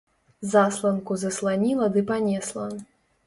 Засланку засланіла ды панесла.